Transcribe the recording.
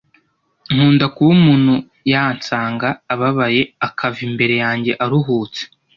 nkunda kuba umuntu yansanga ababaye akava imbere yanjye aruhutse